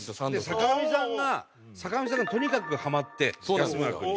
坂上さんが坂上さんがとにかくハマって安村君に。